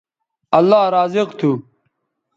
اللہ رازق تھو